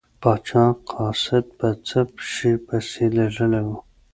پاچا قاصد په څه شي پسې لیږلی و.